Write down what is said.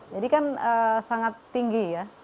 jadi kan sangat tinggi ya